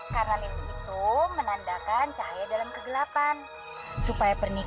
kalo enggak gua berbanasaan terus